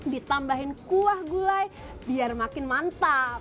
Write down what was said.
ditambahin kuah gulai biar makin mantap